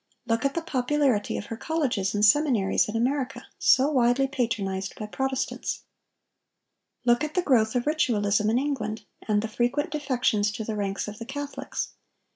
Look at the popularity of her colleges and seminaries in America, so widely patronized by Protestants. Look at the growth of ritualism in England, and the frequent defections to the ranks of the Catholics.